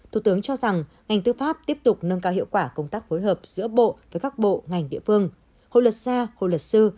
thủ tướng cho rằng ngành tư pháp tiếp tục nâng cao hiệu quả công tác phối hợp giữa bộ với các bộ ngành địa phương hội luật gia hội luật sư